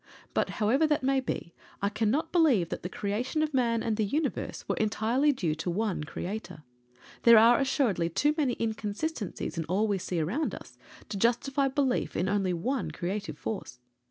But, however that may be, I cannot believe that the creation of man and the universe were due entirely to one Creator there are assuredly too many inconsistencies in all we see around us to justify belief in only one Creative Force.